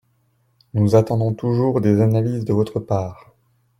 Nous attendons toujours des analyses de votre part